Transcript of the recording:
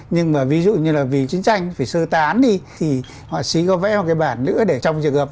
nhưng mà ví dụ như là vì chiến tranh phải sơ tán đi thì họa sĩ có vẽ một cái bản nữa để trong trường hợp